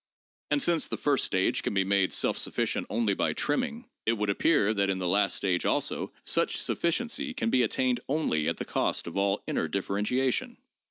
And since the first stage can be made self sufficient only by 'trimming,' it would appear that in the last stage also such sufficiency can be attained only at the cost of all inner differentiation.